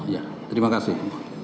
ya terima kasih